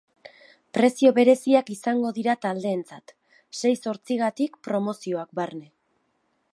Prezio bereziak izango dira taldeentzat, sei zortzigatik promozioak barne.